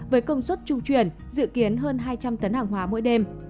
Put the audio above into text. với công suất trung chuyển dự kiến hơn hai trăm linh tấn hàng hóa mỗi đêm